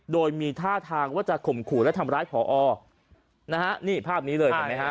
โดยมีท่าทางว่าจะข่มขู่และทำร้ายผอนะฮะนี่ภาพนี้เลยเห็นไหมฮะ